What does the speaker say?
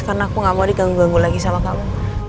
karena aku gak mau diganggu ganggu lagi sama kamu